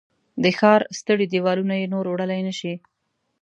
د ښار ستړي دیوالونه یې نور وړلای نه شي